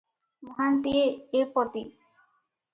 ମହାନ୍ତିଏ - ଏ ପଦୀ ।